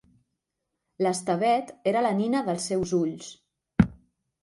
L'Estevet era la nina dels seus ulls.